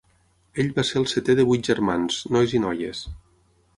Ell va ser el setè de vuit germans, nois i noies.